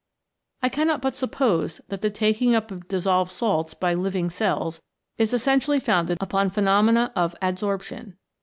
I cannot but suppose that the taking up of dissolved salts by living cells is essentially founded upon pheno mena of adsorption.